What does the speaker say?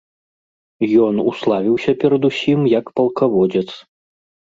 Ён уславіўся перадусім як палкаводзец.